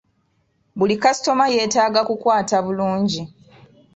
Buli kasitoma yeetaga kukwata bulungi.